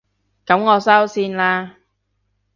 噉我收線喇